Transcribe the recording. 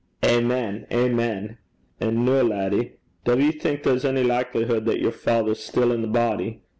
'Amen, amen. And noo, laddie, duv ye think there's ony likliheid that yer father 's still i' the body?